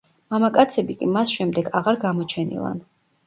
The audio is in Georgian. მამაკაცები კი მას შემდეგ აღარ გამოჩენილან.